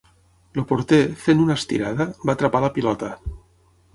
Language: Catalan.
El porter, fent una estirada, va atrapar la pilota.